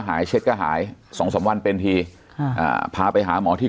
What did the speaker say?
หายเช็ดก็หายสองสามวันเป็นทีค่ะอ่าพาไปหาหมอที่